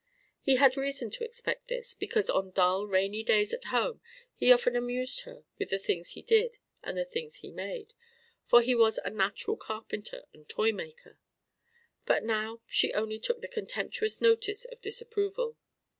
He had reason to expect this, because on dull rainy days at home he often amused her with the things he did and the things he made: for he was a natural carpenter and toy maker. But now she took only the contemptuous notice of disapproval.